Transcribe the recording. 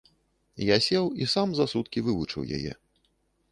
Я сеў і сам за суткі вывучыў яе.